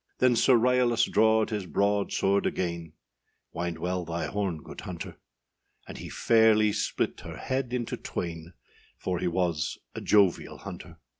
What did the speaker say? Then Sir Ryalas drawed his broad sword again, Wind well thy horn, good hunter, And he fairly split her head into twain, For he was a jovial hunter.